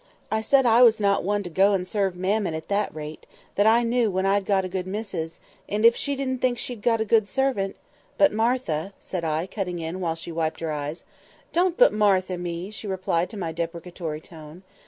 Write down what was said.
I said I was not one to go and serve Mammon at that rate; that I knew when I'd got a good missus, if she didn't know when she'd got a good servant"— "But, Martha," said I, cutting in while she wiped her eyes. "Don't, 'but Martha' me," she replied to my deprecatory tone.